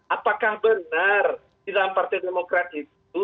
apakah benar di dalam partai demokrat itu